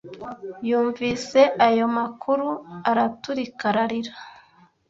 Yumvise ayo makuru, araturika ararira.